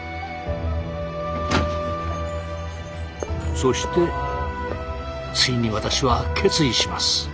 そしてついに私は決意します。